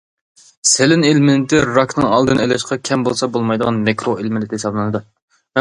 سېلېن ئېلېمېنتى راكنىڭ ئالدىنى ئېلىشتا كەم بولسا بولمايدىغان مىكرو ئېلېمېنت ھېسابلىنىدۇ.